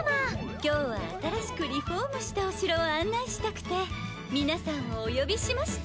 今日は新しくリフォームしたお城を案内したくて皆さんをお呼びしました。